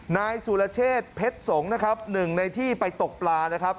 นายสุรเชษภรรย์เพชรสงศ์นะครับ๑ในที่ไปตกปลานะครับ